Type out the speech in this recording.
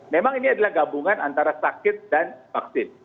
memang ini adalah gabungan antara sakit dan vaksin